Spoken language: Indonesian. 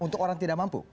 untuk orang tidak mampu